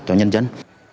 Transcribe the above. cho nhân dân